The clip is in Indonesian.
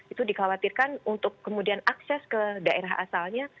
itu dikhawatirkan untuk kemudian akses ke daerah asalnya